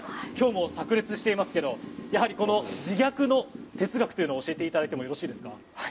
今日もさく裂していますがやはりこの自虐の哲学を教えていただいてもよろしいですか。